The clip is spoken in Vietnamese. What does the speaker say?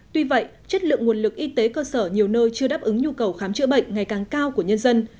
tuy vậy chất lượng nguồn lực y tế cơ sở nhiều nơi chưa đáp ứng nhu cầu khám chữa bệnh ngày càng cao của nhân dân